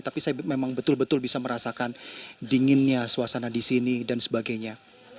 tapi saya memang betul betul bisa merasakan dinginnya suasana di sini dan sebagainya